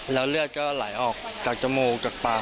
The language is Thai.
แล้วเลือดก็ไหลออกจากจมูกจากปาก